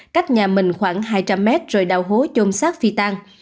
cách nhà mình khoảng hai trăm linh mét rồi đào hố chôm sát phi tan